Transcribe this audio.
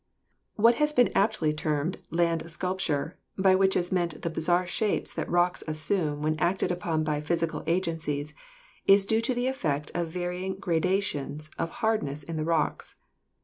What has been aptly termed land sculpture, by which is meant the bizarre shapes that rocks assume when acted upon by physical agencies, is usually due to the effect of varying gradations of hardness in the rocks.